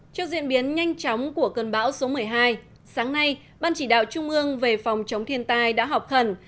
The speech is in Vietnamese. trước diễn biến nhanh chóng của cơn bão số một mươi hai sáng nay ban chỉ đạo trung ương về phòng chống thiên tai đã họp khẩn